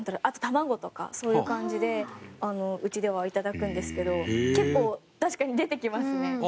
あと卵とかそういう感じでうちではいただくんですけど結構確かに出てきますね。